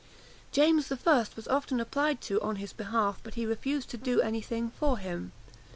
James I. was often applied to on his behalf, but he refused to do any thing for him.